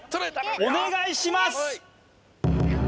お願いします